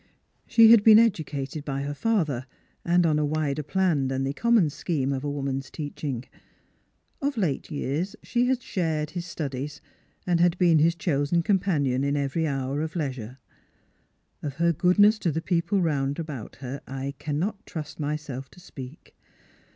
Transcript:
She had been educated by her father, and on a wider plan than the common scheme of a woman's teaching. Of late years she had shared his studies, and had been his chosen companion in every hour of leisure. Of her goodness to the people round about her I cannot trust myself to speak.